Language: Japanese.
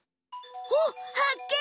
おっはっけん！